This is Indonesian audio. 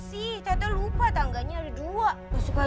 si tete lupa tangganya dua suka julian